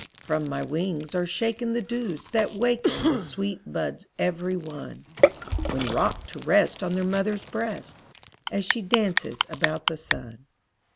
From my wings are shaken the dews that waken The sweet buds every one. When rocked to rest on their mother's breast. As she dances about the sun.